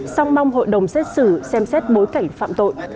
song mong hội đồng xét xử xem xét bối cảnh phạm tội